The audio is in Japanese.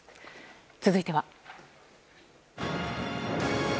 続いては。